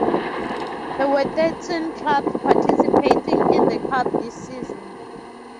There were thirteen clubs participating in the cup this season.